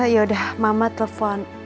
yaudah mama telpon